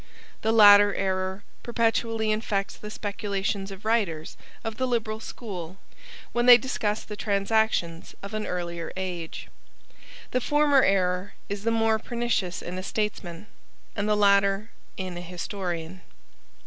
The latter error perpetually infects the speculations of writers of the liberal school when they discuss the transactions of an earlier age. The former error is the more pernicious in a statesman, and the latter in a historian.